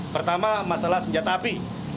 pertama masalah senjata api